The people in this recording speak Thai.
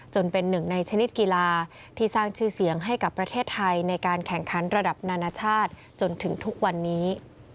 เป็นหนึ่งในชนิดกีฬาที่สร้างชื่อเสียงให้กับประเทศไทยในการแข่งขันระดับนานาชาติจนถึงทุกวันนี้